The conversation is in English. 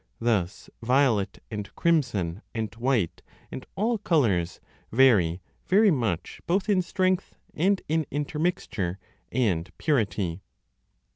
Thus violet and crimson and white and all colours vary 10 very much both in strength and in intermixture and purity.